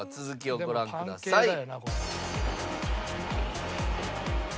続きをご覧ください。